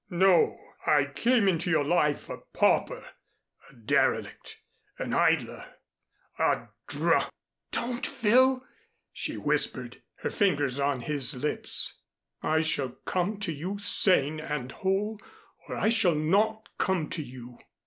"No, I came into your life a pauper a derelict an idler a dr " "Don't, Phil," she whispered, her fingers on his lips. "I shall come to you sane and whole or I shall not come to you.